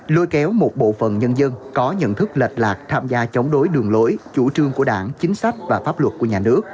lôi kéo một bộ phận nhân dân có nhận thức lệch lạc tham gia chống đối đường lối chủ trương của đảng chính sách và pháp luật của nhà nước